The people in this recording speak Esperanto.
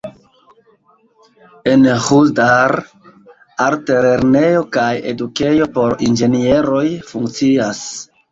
En Ĥuzdar altlernejo kaj edukejo por inĝenieroj funkcias.